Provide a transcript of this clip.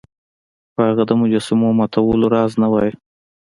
خو هغه د مجسمو ماتولو راز نه وایه.